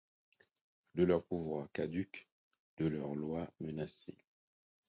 De leur pouvoir caduc, de leurs lois menacées